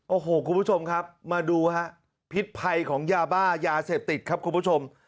โอ้โหคุณผู้ชมครับมาดูฮะพิษภัยของยาบ้ายาเสพติดครับคุณผู้ชม